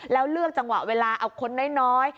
แล้วเลือกจังหวะเวลาเอาคนน้อย